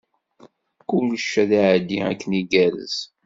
Kullec ad iɛeddi akken igerrez.